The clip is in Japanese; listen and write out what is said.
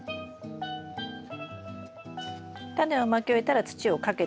タネをまき終えたら土をかけていきます。